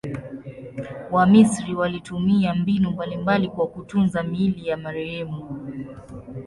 Wamisri walitumia mbinu mbalimbali kwa kutunza miili ya marehemu.